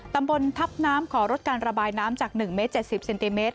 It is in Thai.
ตำบลทับน้ำก่อรถการระบายน้ำจาก๑๗๐เซติเมตร